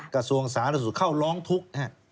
กระทรวงสาธารณสุขเข้าร้องทุกข์